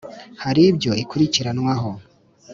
Haribyo ikurikiranwaho .